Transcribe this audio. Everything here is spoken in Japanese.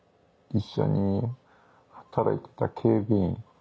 一緒に働いてた警備員。